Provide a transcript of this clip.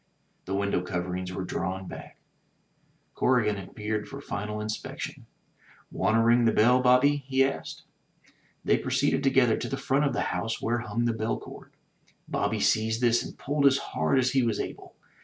The window cov erings were drawn back. Corrigan appeared for final inspection. 132 THE TREASURE CHEST "Want to ring the bell, Bobby?'' he asked. They proceeded together to the front of the house where hung the bell cord. Bobby seized this and pulled as hard as he was able.